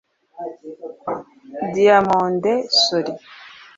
Diomandé Sory